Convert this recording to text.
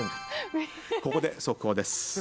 ここで速報です。